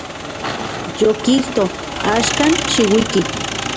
Yokijto; axkan, xiuiki.